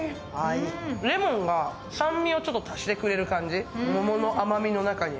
レモンが酸味をちょっと足してくれる感じ、桃の甘みの中に。